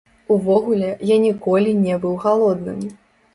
Увогуле, я ніколі не быў галодным.